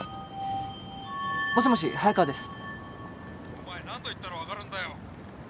お前何度言ったら分かるんだよ？